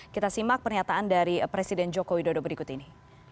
kita simak pernyataan dari presiden joko widodo berikut ini